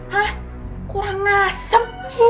hah kurang asem